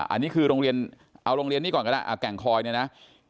อันนี้คือโรงเรียนเอาโรงเรียนนี้ก่อนก็ได้แก่งคอยเนี่ยนะ